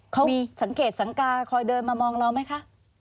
เขามีสังเกตสังกาคอยเดินมามองเราไหมคะ